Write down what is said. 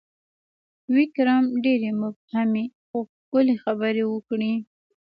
ویکرم ډېرې مبهمې، خو ښکلي خبرې وکړې: